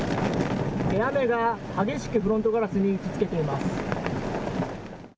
雨が激しくフロントガラスに打ちつけています。